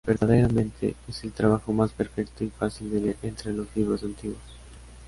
Verdaderamente es el trabajo más perfecto y fácil de leer entre los libros antiguos".